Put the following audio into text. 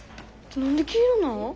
何で黄色なん？